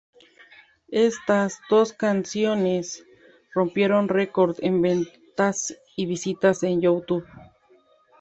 Estas dos canciones rompieron record en ventas y visitas en YouTube.